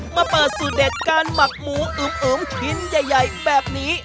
มาเปิดสูตรเด็ดการหมักหมูอึมชิ้นใหญ่แบบนี้